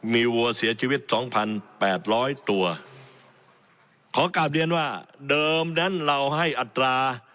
มีวัวเสียชีวิตสองพันแปดร้อยตัวขอกลับเรียนว่าเดิมนั้นเราให้อัตรา